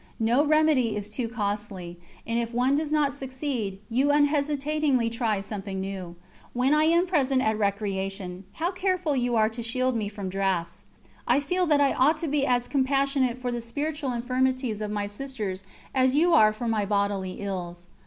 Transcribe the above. No remedy is too costly, and if one does not succeed, you unhesitatingly try something new. When I am present at recreation, how careful you are to shield me from draughts. I feel that I ought to be as compassionate for the spiritual infirmities of my Sisters as you are for my bodily ills.